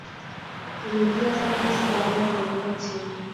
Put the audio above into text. Nililia sana juzi baada ya kuanguka chini